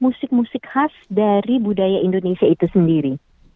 musik musik khas dari budaya indonesia itu sendiri